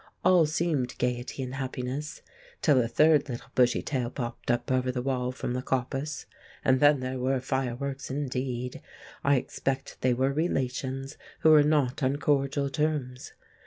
All seemed gaiety and happiness, till a third little bushy tail popped up over the wall from the coppice—and then there were fireworks indeed! I expect they were relations who were not on cordial terms!